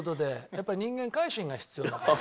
やっぱり人間改心が必要だから。